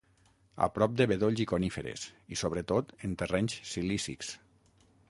A prop de bedolls i coníferes, i sobretot en terrenys silícics.